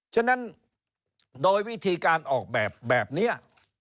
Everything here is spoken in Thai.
ฉะนั้นโดยวิธีการออกแบบแบบนี้